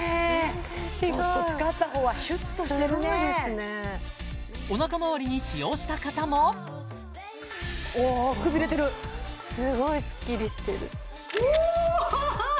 全然違う使ったほうはシュッとしてるねすごいですねおなかまわりに使用した方もおおくびれてるすごいスッキリしてるおお！